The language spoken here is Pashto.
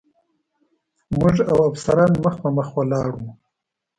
موږ او افسران مخ په مخ ولاړ و.